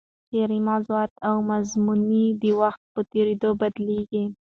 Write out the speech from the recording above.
شعري موضوعات او مضامین د وخت په تېرېدو بدلېږي.